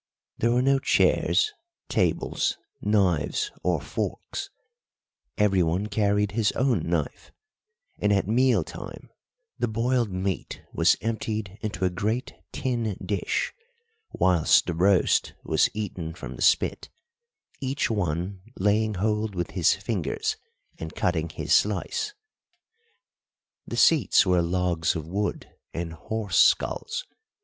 There were no chairs, tables, knives, or forks; everyone carried his own knife, and at meal time the boiled meat was emptied into a great tin dish, whilst the roast was eaten from the spit, each one laying hold with his fingers and cutting his slice. The seats were logs of wood and horse skulls.